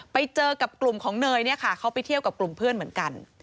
ไปเจอกับกลุ่มของเนยเนี่ยค่ะเขาไปเที่ยวกับกลุ่มเพื่อนเหมือนกัน